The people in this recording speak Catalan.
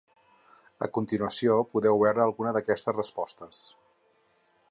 A continuació podeu veure algunes d’aquestes respostes.